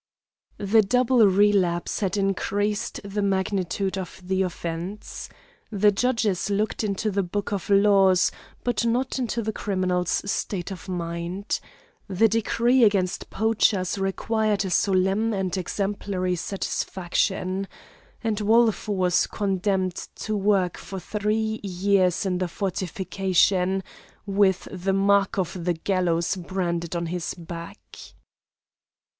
The double relapse had increased the magnitude of the offence. The judges looked into the book of laws, but not into the criminal's state of mind. The decree against poachers required a solemn and exemplary satisfaction; and Wolf was condemned to work for three years in the fortification, with the mark of the gallows branded on his back.